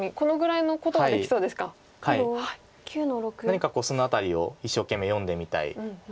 何かその辺りを一生懸命読んでみたい。